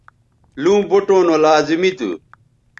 لوں بوٹوں نو لازمی تھو